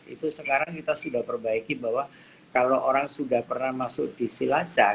itu sekarang kita sudah perbaiki bahwa kalau orang sudah pernah masuk di silacak